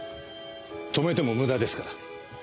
止めても無駄ですから。